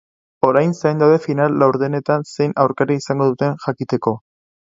Orain zain daude final-laurdenetan zein aurkari izango duten jakiteko.